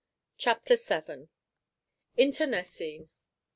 Chapter 1.3.VII. Internecine.